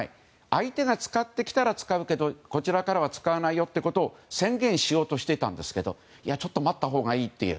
相手が使ってきたら使うけどこちらからは使わないよということを宣言しようとしていたんですがちょっと待ったほうがいいと。